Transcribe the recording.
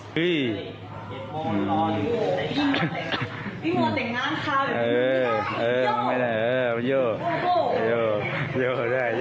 พี่